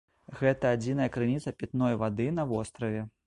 Гэта адзіная крыніца пітной вады на востраве.